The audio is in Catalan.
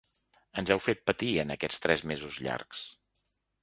Ens heu fet patir en aquests tres mesos llargs.